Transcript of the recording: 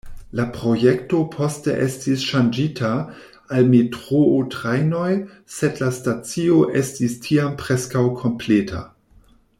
La projekto poste estis ŝanĝita al metroo-trajnoj, sed la stacio estis tiam preskaŭ kompleta.